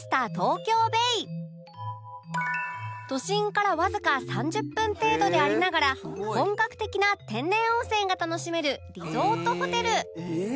都心からわずか３０分程度でありながら本格的な天然温泉が楽しめるリゾートホテル